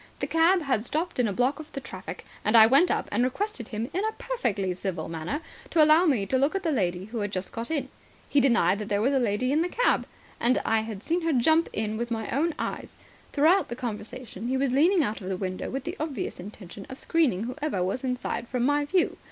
The cab had stopped in a block of the traffic, and I went up and requested him in a perfectly civil manner to allow me to look at the lady who had just got in. He denied that there was a lady in the cab. And I had seen her jump in with my own eyes. Throughout the conversation he was leaning out of the window with the obvious intention of screening whoever was inside from my view.